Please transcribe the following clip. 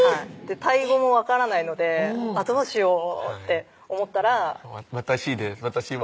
タイ語も分からないのでどうしようって思ったら私です